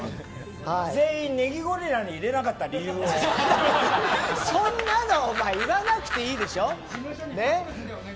全員ネギゴリラに入れなかったそんなの言わなくていいでしょ。